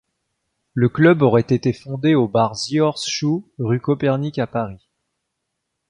Le club aurait été fondé au bar The Horse Shoe rue Copernic à Paris.